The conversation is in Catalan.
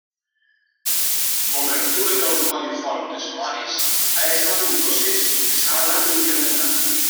L'obertura del codi font de Solaris ha estat un procés que s'ha anat incrementant.